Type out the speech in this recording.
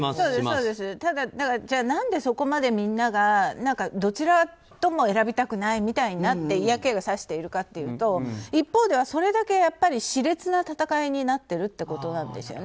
ただ、何でそこまでみんながどちらとも選びたくないみたいになって嫌気がさしているかというと一方では、それだけ熾烈な戦いになってるってことなんです。